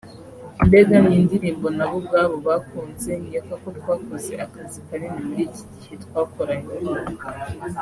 Mbega ni indirimbo nabo ubwabo bakunze nkeka ko twakoze akazi kanini muri iki gihe twakoranye